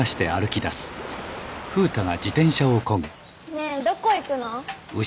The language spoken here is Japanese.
ねえどこ行くの？